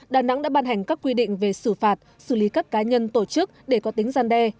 đà nẵng đã ban hành các quy định về xử phạt xử lý các cá nhân tổ chức để có tính gian đe